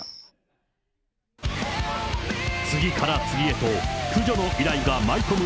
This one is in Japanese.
次から次へと、駆除の依頼が舞い込む